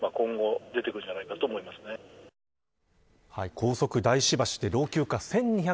高速大師橋で老朽化１２００